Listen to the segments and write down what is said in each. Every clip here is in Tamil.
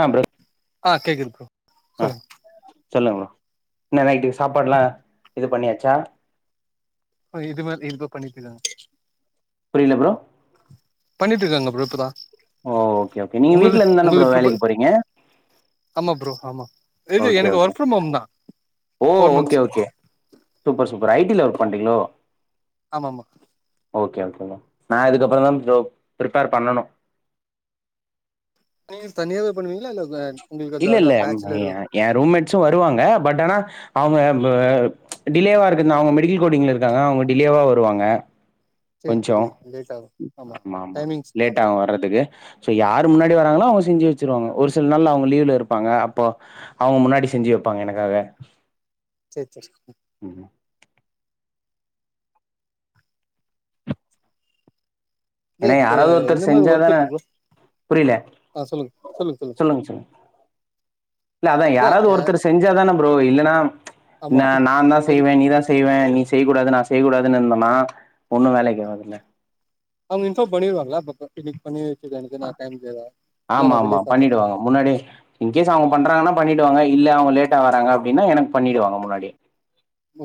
ஆ ப்ரோ ஆ கேக்குது ப்ரோ ஆ சொல்லுங்க சொல்லுங்க ப்ரோ என்ன நைட்டுக்கு சாப்பாடெலா இது பண்ணியாச்சா இது மேல இதுக்கோ பண்ணிட்டு இருக்காங்க புரியல ப்ரோ பண்ணிட்டு இருக்காங்க ப்ரோ இப்பதா ஓ ஓகே ஓகே நீங்க உங்களது வீட்டுல இருந்து தானே உங்களது ப்ரோ ப்ரிப்ப வேலைக்கு போறீங்க ஆமா ப்ரோ ஆமா இது ஓகே எனக்கு ஓகே ஒர்க் ஃப்ரம் ஹோம் தா ஓ four okay months okay super super ஐ டில ஒர்க் பண்றீங்களோ ஆமா ஆமா ஓகே ஓகே ப்ரோ நா இதுக்கப்பறோதா ப்ரோ ப்ரிப்பேர் பண்ணணு நீங்க தனியாத பண்ணுவீங்களா இல்ல பே ந்த இல்ல ந்த இல்ல த பேச்சலரு எ ரூம்மேட்சு வருவாங்க பட் ஆனா அவங்க அ டிலேவா இருக்கு அவங்க மெடிக்கல் கோடிங்ல இருக்காங்க அவங்க டிலேவா வருவாங்க சேரி கொஞ்சோ சேரி லேட் ஆகு ஆமா ஆமா டைமிங்ஸ் லேட்ட மாறு ஆகு வர்றதுக்கு சோ யாரு முன்னாடி வராங்களோ அவங்க செஞ்சு வச்சருவாங்க ஒரு சில நாள்ல அவங்க லீவ்ல இருப்பாங்க அப்போ அவ்ங்க முன்னாடி செஞ்சு வெப்பாங்க எனக்காக செ செரி ம் ம் இது ஏன்னா அ யாராவது இந்த ஒருத்தர் மாரி ஒர்க் செஞ்சாதான இருக்கு ப்ரோ புரியல ஆ சொல்லுங் சொல்லுங் சொல்லுங் சொல்லுங்க சொல்லுங்க இல்ல அதா யாரவது ஒருத்தர் செஞ்சாதான ப்ரோ இல்லைன்னா ஆமா ம்ச் நா தா வெள்- செய்வே நீதா செய்வேன் நீ செய்கூடாது நா செய்கூடாது இருந்தேன்னா ம்ச் ஒன்னு வேலைக்ககாதுல அவங்க இன்பார்ம் பன்னிருவங்களா ப க [unintelligible] பண்ணிச்ச டைம்ல இல்ல ந வெளிய சாப்பேறா முன்னாடி இன்கேஸ் அவங்க பண்றாங்கன்னா பண்ணிடுவாங்க இல்ல அவங்க லேடா வராங்க அப்டின்னா எனக்கு பண்ணிடுவாங்க முன்னாடி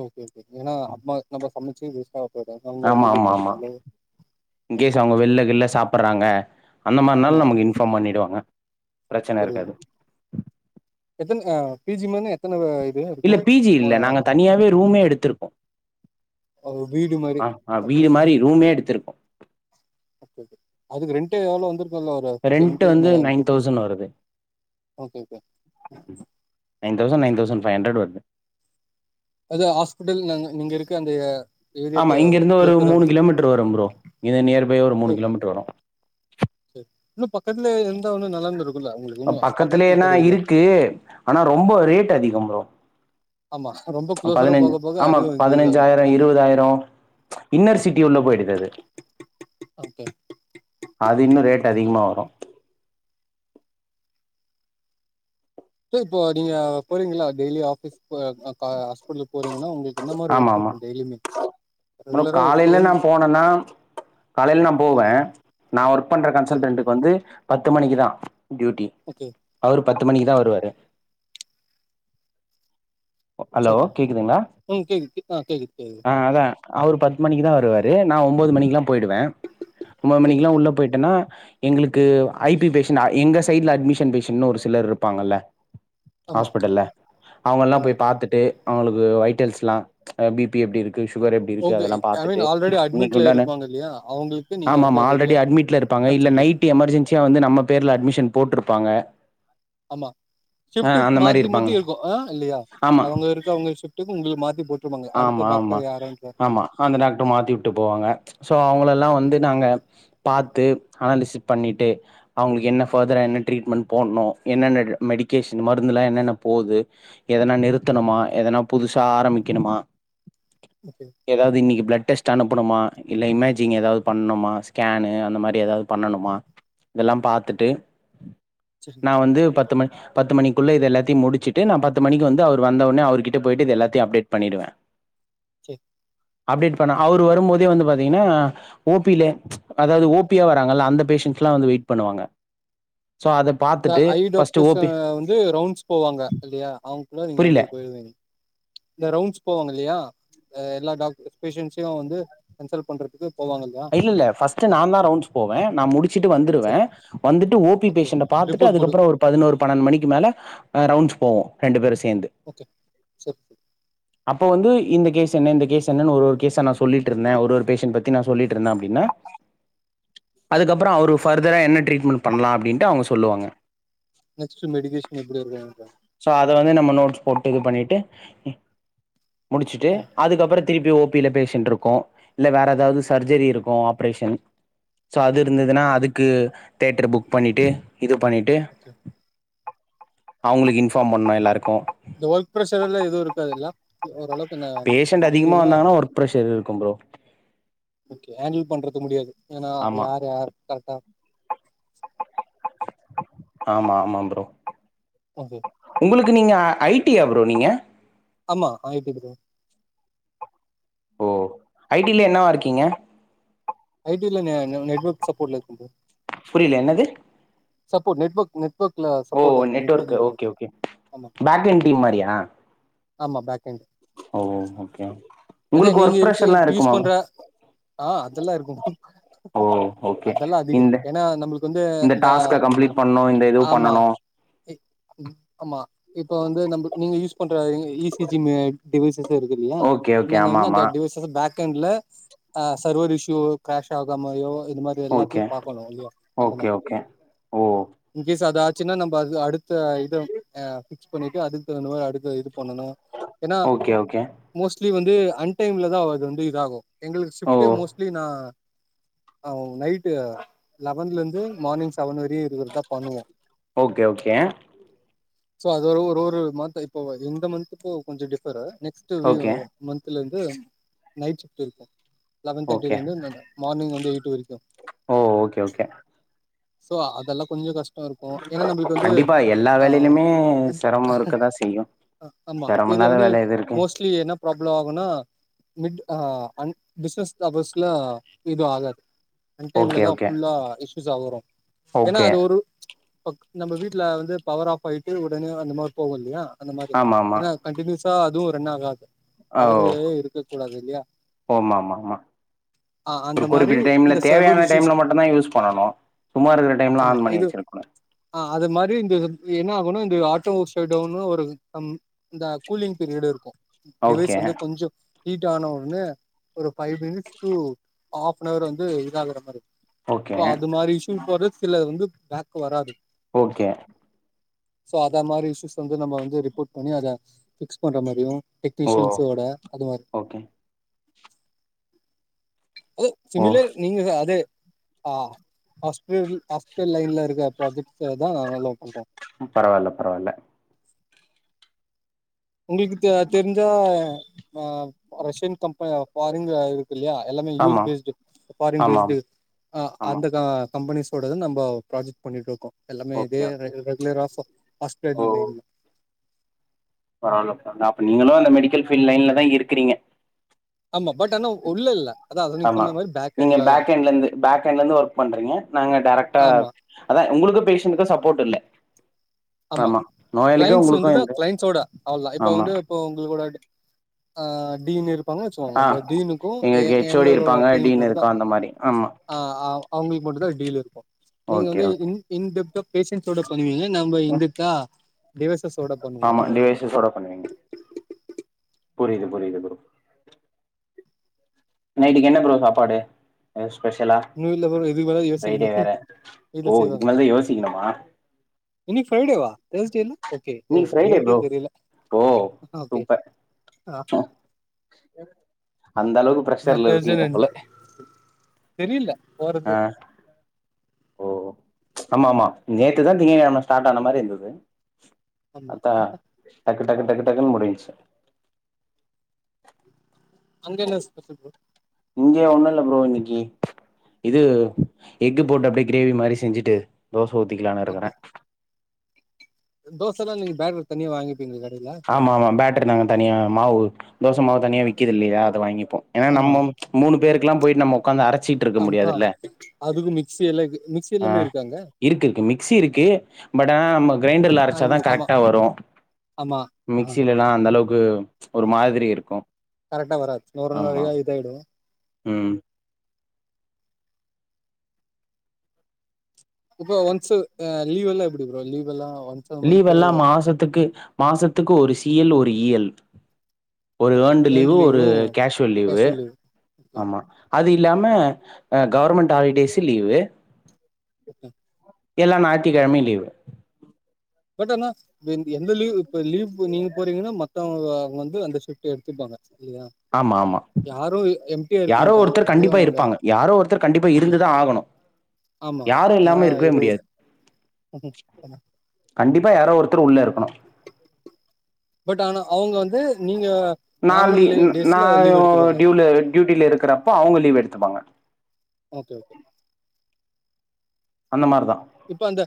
ஓகே ஓகே ஏனா அப்ப நம்ம சமைச்சி வேஸ்ட ஆகு இல்ல ஆமா வெளிய ஆமா ஆமா சாப்டலோ இன்கேஸ் அவங்க வெளில கிள்ள சாப்படறாங்க அந்த மாரினால ஆமா நமக்கு இன்ஃபாம் பண்ணிவிடுவாங்க பிரச்சன புரியுது இருக்காது எத்தன அ பி ஜி மனே எத்தன இது இருக்கு இல்ல பி ஜி அ இல்ல நாங்க தனியாவே ரூமே எடுத்திருக்கோ ஒரு வீடு மாரி ஆ அ ஓகே வீடு ஓகே மாரி ரூமே எடுத்திருக்கோ அதுக்கு ரேண்டே எவ்ளோ வந் ரேண்டு ஒரு டென் ரெண்ட் டு வந்து நைன் ஃபிப் டீன் தௌசண்ட் வருது okay okay nine thousand nine thousand five hundred வருது அது ஆஸ்பிட்டல்னாங்க நீங்க இருக்க அந்த ஏரியாவுக்கு குளோசரவே ட்டர் வரும் ப்ரோ இது நியர்பை ஒரு மூணு கிலோமீட்டர் வரும் அது இன்னு பக்கத்துல இருந்தா ஒன்னு நல்லாந்து இருக்கு பக்கத்துலயேனா இருக்கு ஆனா ரொம்ப ரேட் அதிகம் ப்ரோ ஆமா ரொம்ப ம்ச் க்ளோஸரா பதினஞ்சு போக போக ஆமா அதுவு இன்க்ரீஸ் ஆகு பதினஞ்சாயிரோ ஆமா இருபதாயிரோ ம்ச் இன்னர் சிட்டி உள்ள போயிடுது அது ஓகே அது இன்னு ரேட் அதிகமாக வரு ப்பு இப்போ நீங்க போறிங்களா டெய்லி ஆபீஸ்க்கு கா ஆஸ்பிடலக்கு போறிங்கன்னா உங்களுக் என்ன மாரி ஆமா ஒர்க் ஆமா இருக்கு டேய்லிமே ப்ரோ காலையில நா போனேனா காலையில நா போவே ஓகே நா ஒர்க் பண்ற சரி கன்சல்டன்க்கு வந்து பத்து மணிக்கு தா டியூட்டி ஓகே அவரு பத்து மணிக்குதா வருவாரு ஹலோ சரி கேடக்குதுங்களா ம் கேக்குது ஆ கேக்குது கேக்குது ஆ அதா அவரு பத்து மணிக்குதா வருவாரு நா ஒன்பது மணி எல்லா போயிடுவே ஒன்பது மணிக்கு சரி எல்லா உள்ள போயிட்டேனா எங்களுக்கு ஐ பி பேஷன் எங்க சைட்ல அட்மிஷன் பேஷன்னு ஒரு சிலர் இருப்பாங்கல்ல ஆமா ஆஸ்பிட்டல்ல அவங்க எல்லா ஆமா போய் பாத்துட்டு அவங்களுக்கு வைட்டல்ஸ்லா ம்ச் பி பி எப்டி இருக் கு சுகர் எப்டி இருக்கு ஓகே அதெல்லா ஐ மீன் பாத்துட்டு ஆல்ரெடி இன்னிக்கு அட்மிட்ல உண்டான இருப்பாங்க இல்லையா அவங்களுக்கு நீங்க ஆமா வந்து ஆமா ஆல்ரெடி ரெகுலர் அட்மிட்ல இருப் ங்க இல்ல கன்சல்டிங் நைட் எமர்ஜென்சியா வந்து நம்ம பேர்ல அட்மிஷன் போட்டிருப்பாங்க ஆமா சிப்டு மாத்தி மாத்தி இருக்கோ ஆ இல்லையா ஆமா அவங்க இருக்க அவங்க சிப்டுக்கு உங்களுக்கு மாத்தி போட்டுருவாங்க ஆமா அடுத்த ஆமா டாக்டர் யாரன்னு ஆமா அந்த டாக்டர் மாத்தி விட்டு போவாங்க ம்ச் சோ அவங்கள எல்லா வந்து நாங்க பாத்து அனாலிசி பண்ணிட்டு அவங்களுக்கு என்ன ஃபர்தரா என்ன ட்ரீட்மெண்ட் போடணு என்னென்ன மெடிகேஷன் மருந்து எல்லா என்னென்ன போகுது எதனா நிறுத்தணுமா எதனா புதுசா ஆரம்பிக்கணுமா ஓகே ஏதாவது இன்னைக்கு ப்ளட் டெஸ்ட் அனுப்பணுமா இல்லை இமேஜிங் ஏதாவது பண்ணணுமா ஸ்கேனு அந்த மாதிரி ஏதாவது பண்ணணுமா இதெல்லா பாத்துட்டு சரி நான் வந்து பத்து மணி பத்து மணிக்குள்ள இதது எல்லாத்தையு முடிச்சிட்டு நா பத்து மணிக்கு வந்து அவர் வந்தவுனே அவர்கிட்ட போயிட்டு இது எல்லாத்தையு அப்டேட் பண்ணிடுவேன் சேர் அப்டேட் பண்ண அவரு வரும் போதே வந்து பாத்தீங்கன்னா ஓபில அதாவது ஓபியா வராங்கல்ல அந்த பேஷண்ட்ஸ்ல்லாம் வந்து வெயிட் பண்ணுவாங்க சோ அத இந்த பாத்துட்டு ஐ ஃபர்ஸ்ட் டாக்டர்ஸ் ஓபி வந்து ரவுண்ட்ஸ் போவாங்க இல்லையா அவங்களுக்குள்ள நீங்க புரில வந்து போய்டுவீங்க இந்த ரவுண்ட்ஸ் போவாங்க இல்லையா எல்லா டாக்டர்ஸ் பேஷண்ட்ஸ்ஸையும் வந்து கன்சல்ட் பண்றதுக்கு போவாங்க இல்லையா இல்ல இல்ல ஃபர்ஸ்ட் நான தான் ரவுண்ட்ஸ் போவேன் நான் முடிச்சுட்டு சரி வந்துருவேன் வந்துட்டு ஓ பி ஓகே பேஷண்ட பாத்துட்டு ரிப்போர்ட் குடு அதுக்கப்பறம் ஒரு பதினோரு பன்னெண்டு மணிக்கு மேல ரவுண்ட்ஸ் போவோம் ரெண்டு பேரும் சேர்ந்து ஓகே சேர் சேரி அப்போ வந்து இந்த கேஸ் என்ன இந்த கேஸ் என்னன்னு ஒரு கேஸா ந சொல்லிட்டு இருந்தேன் ஒரு பேஸ்ண்ட் பத்தி நான் சொல்லிட்டு இருந்தேன் அப்டின்னா [inaudible] அதுக்கப்பறோ அவர் பர்தரா என்ன ட்ரீட்மெண்ட் பண்ணலாம் அப்டின்ட்டு அவுங்க சொல்லுவாங்க நெக்ஸ்ட் மெடிகேஷன் எப்டி வருவாங்கன்னு பாரு சோ அத வந்து நம்ம நோட்ஸ் போட்டு இது பண்ணிட்டு முடிச்சுட்டு ஆ அதுக்கப்பறம் திருப்பி ஓபியில பேஷண்ட் இருக்கு இல்ல வேற ஏதாவது சர்ஜரி இருக்கும் ஆப்ரேஷன் சோ அது இருந்ததுன்னா அதுக்கு தேட்டரு புக் பண்ணிட்டு இது பண்ணிட்டு ஓகே அவங்களுக்கு இன்ஃபார்ம் பண்ணணும் எல்லாருக்கும் ஒர்க் பிரஷர்லாம் எதுவும் இருக்காதுல்ல ஓரளவு பேஷண்ட் அதிகமா வாந்தாகன்னா ஒர்க் பிரஷர் இருக்கும் ப்ரோ ஓகே ஹேண்டில் பண்றது முடியாது ஏன்னா ஆமா யார் யார் கரெக்டா ஆமா ஆமா ப்ரோ ஓகே உங்களுக்கு நீங்க ஐ டி யா ப்ரோ நீங்க ஆமா ஐ டி ப்ரோ ஓ ஐ டில என்னவா இருக்கீங்க ஐ டில்ல நா நெட்வொர்க் சப்போர்ட்ல இருக்க ப்ரோ புரில என்னது சப்போர்ட் நெட்வர்க் நெட்வர்க்ல ஓ சப்போர்ட்டா இருக்க network network engineer okay okay ஆமா பேக் எண்ட் டீம் ஆமா பேக்கெண்ட் ஆமாம் ஓகே அதே உங்களுக்கு நீங்க ஒர்க் இருக்கு ப்ரெஷர்லா இப்ப யூஸ் இருக்குமா ப்ரோ பண்ற ஆ அதெல்லாம் இருக்கும் ஓ ஓகே அதெல்லாம் அதிகம் இந்த ஏன்னா நம்மளுக்கு வந்து இந்த பண்ண வேண்டியத பண்ணனும் க் ஆமா இப்ப வந்து நம் நீங்க யூஸ் பண்ற இ சி ஜி மே டிவைசஸ் இருக்கு இல்லையா ஓகே ஓகே நா ஆமா வந்து ஆமா அந்த டிஸ் பேக்ண்ட்ல சர்வர் இஸ்யூ ஓவ் கிராஷ் ஆகற மாதிரியோ இது மாதிரி ஓகே எல்லாத்தையும் பாக்கணும் இல்லையா அந்த ஓகே மாரி ஓகே ஓ இன் கேஸ் அது ஆச்சுன்னா நம்ம அ அடுத்த இது ஆ பிக்ஸ் பண்ணிட்டு அதுக்கு தகுந்த அதுக்கு இது பண்ணணும் ஏன்னா ஓகே ஓகே புலி வந்து அன் டைம்ல தான் அது வந்து இதாகும் எங்களுக்கு ஓ ஷிஃப்ட்டே மோஸ்ட்லி நா ஆ‌ நைட்டு லெவன்ல இருந்து மார்னிங் செவன் வரையு இததான் பண்ணுவோம் ஓகே ஓகே சோ அது ஒரு ஒரு ஒரு மன்த் இப்போ இந்த மந்த்க்கு கொஞ்சம் டிஃபரு நெக்ஸ்ட் டு லீவ் ஓகே வரு மன்த்ல இருந்து நைட் ஷிப்ட் இருக்கும் லெவன் தேர்டில ஓகே இருந்து இந்தந்த மார்னிங் வந்து எட் வரைக்கு ஓ ஓகே ஓகே சோ அதெல்லா கொஞ்சோ கஷ்டோ இருக் கண்டிப்பா எல்லா வேலையிலுமே சிரம இருக்கதா செய்யு ஆமா சிரம இதுல இல்லாத வந்து வேல எது இருக்கு மோஸ்லி என்னாப் பிராப்ளோ ஆகுனா மிட் ஆ அன் பிசினஸ் டபஸ்ல இது ஆகாது அன் டைம்ல ஓகே தா ஓகே புல்லா இஸ்பிஸ் ஆகுரோ ஏனா ஓகே அது ஒரு ஒக் நம்ம வீட்ல வந்து பவர் ஆஃப் ஆயிட்டு உடனே அந்த மார் போவு இல்லயா அந்த மாதி ஆமா ஆமா எனாஃப் கண்டி நியூஸா அதுவு ரன் ஆகாது ஆவ் பவரே இருக்க கூடாது இல்லையா ஓ மாம்மாமா ஆ அந்த ஒரு மாரி குறிப்பிட்ட டைம்ல இந்த சர்வர் தேவையான இஷ்யூஸ் டைம்ல மட்டுதா யூஸ் பண்ணணு சும்மா இருக்கிற டைம்ல ஆமா ஆன் பண்ணி இது வச்சிரகூடாது ஆ அது மாதிரி இந்த என்ன ஆகணு இந்த ஆட்டோ சேடோனு ஒரு தம் இந்த கூலிங் பீரியடு இருக்கு டிவைஸ் ஓகே வந்து கொஞ்சோ ஹீட் ஆன உடனே ஒரு five minutes to half hour வந்து இத ஆகுற மாரி ஓகே சோ அது மாரி இஷ்யூ போரேத் தில்ல வந்து பேக் வராது ஓகே சோ அதே மாதிரி இ்யூஸ் வந்து நம்ம வ ரிப்போட் பண்ணி அத பிக்ஸ் பண்ற மாரியு ஓ டெக்னிஷயன்சோட அது மார் ஓகே ஒ ஓ சிமிலேர் நீங்க அதே ஆ ஹாஸ்பிடல் ஹாஸ்பிடல் லைன்ல இருக்க ப்ராஜெக்ட்ஸ்ச தா நா லவ் பண்ற பரவாயில்ல பரவாயில்ல உங்களுக்கு த தெரிஞ்சா மாப் ரஷ்யன் கம்பெனி ஆஃப் பாரின்ல இரு இல்லையா எல்லாமே யூஸ்டு ஆமா பேஸ்டு ஃபாரின் ஆமா பேஸ்ட் ஆ ஆமா அந்த கா கம்பெனிஸ்யோத நம்பாவ் ப்ராஜெக்ட் பண்ணிட்டு இருக்கோ எல்லாமே இதே ஓகே ரெகு ரெகுலரா சோ ஆஸ்பேடி லைன்ல ப்ராப்ளம்பன்னா அப்ப நீங்களு அந்த மெடிக்கல்பீல்டு லைன்ல தா இருக்கிறீங்க ஆமா பட் ஆனா உள்ள இல்ல அதா அது நீங்க ஆமா சொன்ன மாரி நீங்க எண்ட்ல தா பேக் எண்டலிருந்து பேக்ண்ட்ல இருந்து ஒர்க் பண்றீங்க நாங்க டைரக்டா ஆமா அதா உங்களுக்கு பேஷன்க்கு சப்போர்ட் இல்ல ஆமா நோயாளிக்கு கிளைண்ஸ் உங்களுக்கு வந்துதா எந்த கிளைண்ஸ்சோட அவ்ளா இப்ப ஆமா வந்து இப்ப உங்கள் கூட அட்டே ஆ டீன் இருப் பங்காச்சுவாங்க ஆ இந்த டீனுக்கு எ எங்களுக்கு ஹெச் ஓ டி எங்களோட இருப்பாங்க டீனுக்கு டீன் மட்டு தா இருக்கு அந்த மாரி ஆமா ஆ அவங்களுக்கு மட்டுதா டீல் இருக்கு நீங்க ஓகே வந்து ஓகே இன் இன்டோப்டோ பேஷன்ஸ்சோட பண்ணுவீங்க நம்ம ம். இந்துதா தேவசஸ் ஆமா டேசஸ்சோட பண்ணுவீங்க புரியுது புரியுது ப்ரோ நைட்டுக்கு என்ன ப்ரோ சாப்பாடு வரிஸ் ஸ்பெஷ்சலா இன்னு இல்ல ப்ரோ இதுக்கு மேல யோசிக்கணு ஃப்ரைடே வேற இதுல ஓ இதுக்கு மேலதா யோசிக்கணுமா இன்னைகி ஃரரைடே வா தோஸ்த்டேனா ஓகே ஓ இன்னைக்கு ஃப்ரைடே டேட்டே ப்ரோ தெரியல ஓ ஓகே சூப்பர் ஆ அந்த அளவுக்கு நா பிரஷர்ல இருக்கீங்க போல தெரில்ல போறது ஆ ஓ ஆமா ஆமா நேத்து தா திங்க கிழம ஸ்டார்ட் ஆன மாறி இருந்தது ஆமா அத்தா டக்கு டக்கு டக்கு டக்குன்னு முடிஞ்ச்சி அங்க என்னா ஸ்பெஷல் [inaudible] இங்க ஒன்னு இல்ல ஃப்ரோ இன்னிக்கு இது எஃகு போட்டு அப்டியே கிரேவி மாறி செஞ்சுட்டு தோச ஊத்திக்கலான் இருக்கறே தோசனா நீங்க பேடர் தனியா வாங்கிப்பீங்க கடைல ஆமா ஆமா பேட்டர் நாங்க தனியா மாவு தோச மாவு தனியா விக்குது இல்லியா அத வாங்கிப்போ ஏனா ஆமா நம்மு மூணு பேருகெல்லா போயிட் நம்மோ உக்காந்து அரச்சீட்ருக் அம் ஹா அதுக்கு மிக்சி எல்லா இக்கு மிக்சி ஆ எல்லாமே இருக்கா அங்க இருக்கு இருக்கு மிக்சி இருக்கு பட் ஆனா நம்ம க்ரைண்டர்ல அரச்சாதா கரெக்டா வரு அம்மா மிக்சிலெல்லா அந்த அளவுக்கு ஒரு மாத்ரி இருக்கு கரெக்டா வராது‌ நொற ஆமா நொறயா இதாயிடு ம் இப்ப ஒன்ஸ்சு அ லீவ் எல்லா எப்டிபா‌‌ லீவ் எல்லா ஒன்ஸ் அ லீவ் மந்த் எல்லா மாசத்துக்கு மாசத்துக்கு ஒரு சீ எல் ஒரு ஈ எல் ஒரு ஓகே யேண்டு் ஏர்ன்டு லீவு ஒரு கேஷுவல் லீவு ஆமா அது இல்லா அ கவர்மெண்ட் ஹாலிடேஸ்சு லீவு [inaudible] எல்ல ஞாயத்துக்கிழமையு லீவு போட்டனா இப்ப எந்த லீவ் இப்ப லீவ்கு நீங்க போறீங்கனா மத்தவங்க அங்க வந்து அந்த ஷிப்ட்ட எடுத்தப்பாங்க இல்லயா ஆமா ஆமா யாரோ மாட்டாங்க ஒருத்தர் கண்டிப்பா எப்டியு இருப்பாங்க யாரோ ஒருத்தர் கண்டிப்பா இருந்துதா ஆகணு ஆமா யாரு ஏன்னா இல்லாம இருக்கவே இது ஒரு முடியாது [inaudible] கண்டிப்பா யாரோ ஒருத்தர் உள்ள இருக்கணு பட் ஆனா அவுங்க வந்து நீங்க நா நார்மல் லீவ் நா டேஸ்ல லீவ் எடுத்துப்பாங்க டியூல டியூட்டில இருக்கிறப்போ அவுங்க லீவ் எடுத்துப்பாங்க ஓகே ஓகே அந்த மாறி தா இப்ப அந்த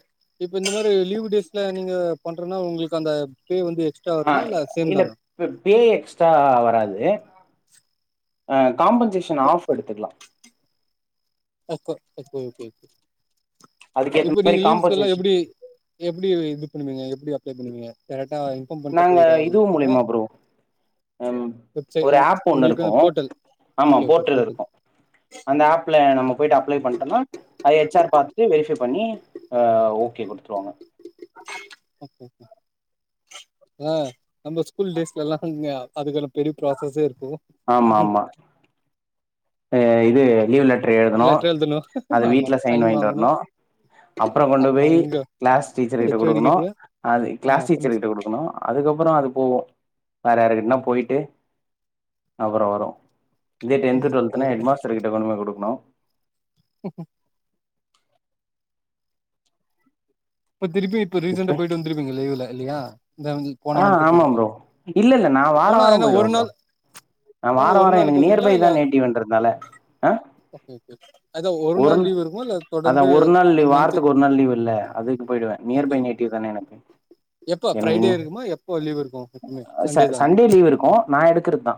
இப்ப இந்த மேரி லீவ் டேஸ்ல நீங்க பண்றனா உங்குளுக் அந்த பே வந்து எக்ஸ் ட்ரா வரும்மா இல்ல சேம் தானா [unintelligible] டே எக்ஸ்ட்ரா வராது அ காம்பன்சேஷன் ஆப் எடுத்துக்கலா [inaudible] இப்ப அதுக்கேத்த நீங்க மாரி லீவ் சொல்ல காம்பன்சேஷன் எப்டி எப்டி வி இது பண்ணுவீங்க எப்டி அப்ளே பண்ணுவீங்க கரெக்டா நாங்க இதுவு மூலியமா ஃப்ரோ ம் வெப்சை ஒரு ஆப் ஒன்னு இருக்கு உங்களுக்கான போர்ட்டல் ஆமா ஓகே ஓகே போர்டல் போர்ட்டல் இருக்கு அந்த ஆப்ல நம்ம போய்ட்டு அப்ளை பண்ட்டனா அத எச் ஆர் பாத்துட்டு வெரிஃபை பண்ணி அ ஓகே குடுத்துருவாங்க ஆ நம்ம ஸ்கூல் டேஸ்லெல்லா அங்க அதுக்கெல்லா பெரி ப்ராசஸ்சே இருக்கு அ இது லீவ் லெட்டர் எழுதணு லெட்டர் எழுதணு அத ஆமா வீட்ல சைன் வாய்ன்ட்டு வாங்கணு வர்ணு அப்பறோ கொண்டு ஆமா போய் எங்க க்ளாஸ் டீச்சர் கிட்ட ஹெச் ஓ டி குடுக்குணு கிட்டயா அது ஆமா க்ளாஸ் டீச்சர் கிட்ட பிரின்சிபல் குடுக்குணு அதுக்கப்புறோ அது போகு வேற யாருக்கிடனா போயிட்டு அப்புறோ வரு இதே டென்த் ம் டுவல்துனா கரெக்ட் ஹெட் தா மாஸ்டர் கிட்ட கொண்டு போய் குடுக்குணு இப்ப திருப்பி இப்ப ரீசண்டா போயிட்டு வந்திருப்பங்க லீவ்ல இல்லியா அதாவுது ஆ ஆமா ப்ரோ இல்ல இல்ல நா வாரோ போனா வாரோ ஏன்னா போயிடுவ ஒரு ப்ரோ நாள் நா போன வாரோ ஒரு வாரோ நாள் எனக்கு போவீங்களா நியர்பை தா இல்ல நேட்டிவ் என்றதுனால ஓகே ஓகே அத ஒரு நாள் லீவ் இருக்குமா இல்ல தொடர்ந்து மன்ந்த்து ரெண்டு நாள் லீவ் இல்ல அதுக்கு போயிடுவே நியர்பை நேட்டிவ் தானே எனக் எப்ப ஃப்ரைடே எனகினி இருக்குமா எப்போ லீவ் இருக்கு எப்பவுமே தானா சண்டே லீவ் இருக்கு நா எடுக்குற்து தா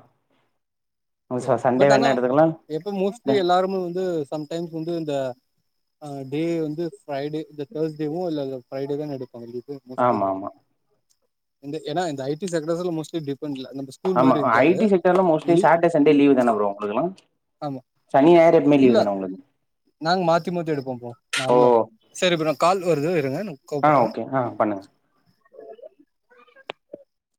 ச சண்டே பட் ஆனா வேணா எடுத்துக்கலா எப்ப மோஸ்ட்லி எல்லாருமே வந்து சம் டைம்ஸ் வந்து இந்த ஆ டே வந்து ஃபிரை டே இந்த தேர்ஸ்டேவு இல்ல ஃபிரைடே தா நடி அதுதா மோஸ்ட்லி ஆமா ஆமா ஏன்னா இந்த ஐடி சக்ரஸ்ல மோஸ்ட்லி டிப்பண்ல ஆமா ஐடி செக்டர்ல மோஸ்ட்லி சாட்டேஸ் சண்டே லீவு தான ப்ரோ உங்களுக்குல்லா ஆமா சனி ஞாயிறு எப்பவுமே லீவ் இல்ல தானே உங்களுக்கு நாங்க மாத்தி மாத்தி எடுப்போ ப்ரோ ஓ நாங்களு அப் செரி ப்ரோ கால் வருது இருங்கநா ஆ ஓகே ஆ பண்ணுங்க